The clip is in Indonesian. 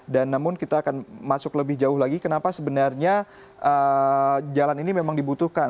dan namun kita akan masuk lebih jauh lagi kenapa sebenarnya jalan ini memang dibutuhkan